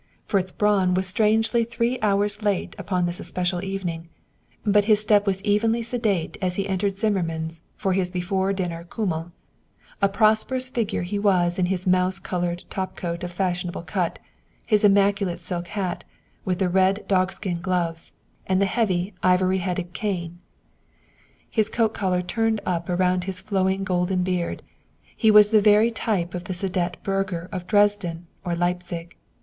Fritz Braun was strangely three hours late upon this especial evening, but his step was evenly sedate as he entered Zimmermann's for his before dinner Kümmel. A prosperous figure was he in his mouse colored top coat of fashionable cut, his immaculate silk hat, with the red dogskin gloves, and the heavy ivory headed cane. With his antique cameo scarf pin, his coat collar turned up around his flowing golden beard, he was the very type of the sedate burgher of Dresden or Leipzig.